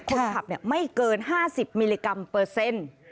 คนขับไม่เกิน๕๐มิลลิกรัมเปอร์เซ็นต์